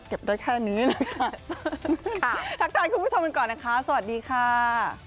ได้แค่นี้เลยค่ะทักทายคุณผู้ชมกันก่อนนะคะสวัสดีค่ะ